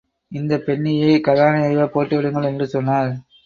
இந்தப் பெண்ணையே கதாநாயகியாகப் போட்டுவிடுங்கள் என்று சொன்னார்.